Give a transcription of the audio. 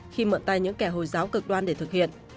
khi mượn tay những kẻ hồi giáo cực đoan để thực hiện